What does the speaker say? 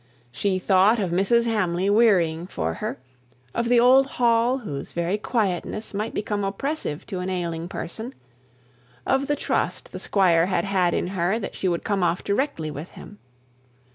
She thought of Mrs. Hamley wearying for her; of the old Hall whose very quietness might become oppressive to an ailing person; of the trust the Squire had had in her that she would come off directly with him.